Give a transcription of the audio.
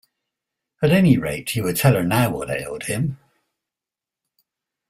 At any rate, he would tell her now what ailed him.